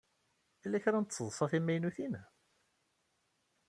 Yella kra n tseḍsa timaynutin?